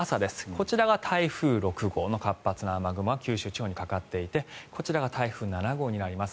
こちらが台風６号の活発な雨雲が九州地方にかかっていてこちらが台風７号になります。